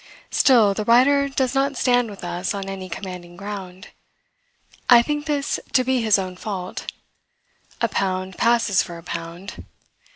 Still the writer does not stand with us on any commanding ground. I think this to be his own fault. A pound passes for a pound.